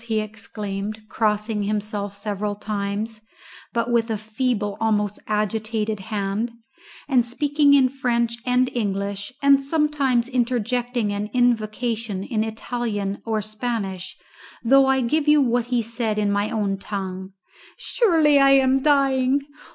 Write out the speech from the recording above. he exclaimed, crossing himself several times, but with a feeble, most agitated hand, and speaking in French and English, and sometimes interjecting an invocation in Italian or Spanish, though I give you what he said in my own tongue; "surely I am dying.